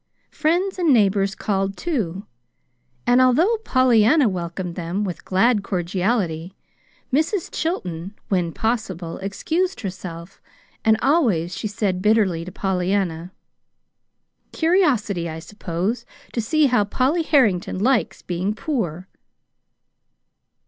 Friends and neighbors called, too, and although Pollyanna welcomed them with glad cordiality, Mrs. Chilton, when possible, excused herself; and always she said bitterly to Pollyanna: "Curiosity, I suppose, to see how Polly Harrington likes being poor."